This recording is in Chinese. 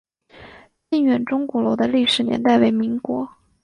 靖远钟鼓楼的历史年代为民国。